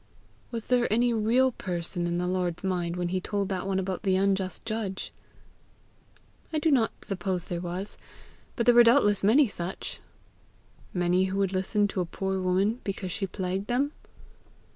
"Was there any real person in our Lord's mind when he told that one about the unjust judge?" "I do not suppose there was; but there were doubtless many such." "Many who would listen to a poor woman because she plagued them?"